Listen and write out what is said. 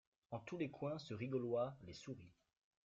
En tous les coins se rigolloyent les souriz.